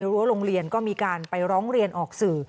รั้วโรงเรียนก็มีการไปร้องเรียนออกสื่อ